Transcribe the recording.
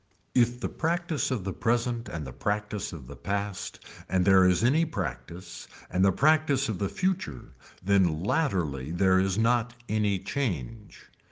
If the practice of the present and the practice of the past and there is any practice and the practice of the future then latterly there is not any change.